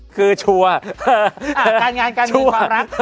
คือชัวร์